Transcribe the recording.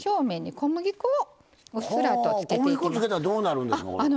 小麦粉つけたらどうなるんですの？